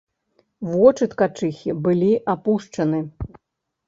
Вочы ткачыхі былі апушчаны.